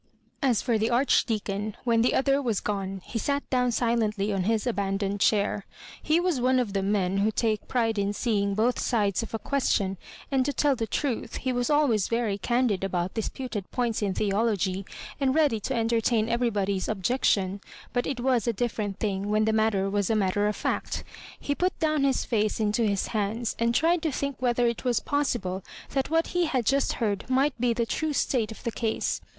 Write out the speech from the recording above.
As for the Archdeacon, when the other was gone, he sat down silently on his abandoned chair. He was one of the men who take pride in seeing both sides of a question ; and to tell the truth, he was always very candid about dis puted points in theology, and ready to entertain everybody's objection; but it was a different thing when the matter was a matter of &ct. He put down his face into his hands, and tried to think whether it was possible that what he had just heard might be the true state of the case.